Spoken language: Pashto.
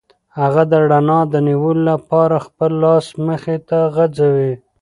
هغه د رڼا د نیولو لپاره خپل لاس مخې ته غځوي.